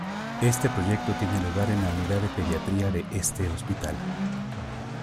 Este proyecto tiene lugar en la Unidad de Pediatría de este hospital.